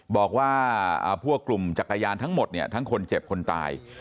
บอกว่าพวกกลุ่มจักรยานทั้งหมดเนี่ยทั้งคนเจ็บคนตาย